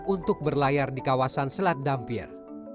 untuk berlayar di kawasan selat dampir